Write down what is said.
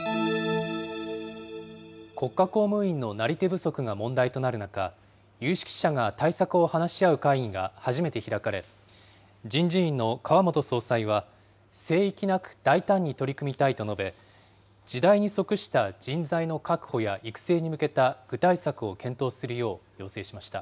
国家公務員のなり手不足が問題となる中、有識者が対策を話し合う会議が初めて開かれ、人事院の川本総裁は、聖域なく大胆に取り組みたいと述べ、時代に即した人材の確保や育成に向けた具体策を検討するよう要請しました。